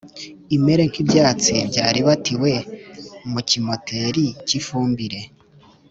imere nk’ibyatsi byaribatiwe mu kimpoteri cy’ifumbire.